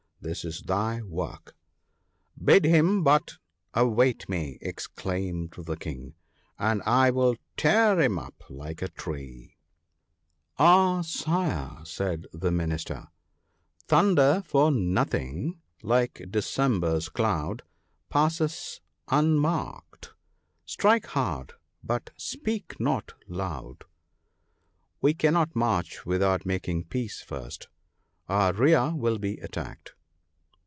' This is thy work !'* Bid him but await me !' exclaimed the King, * and I will tear him up like a tree !'* Ah, Sire/ said the Minister —" Thunder for nothing, like December's cloud, Passes unmarked : strike hard, but speak not loud. " We cannot march without making peace first ; our rear will be attacked.'